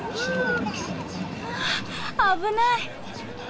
あ危ない。